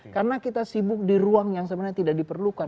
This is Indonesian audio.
karena kita sibuk di ruang yang sebenarnya tidak diperlukan